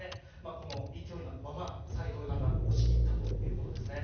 この勢いのまま斎藤四段が押し切ったということですね。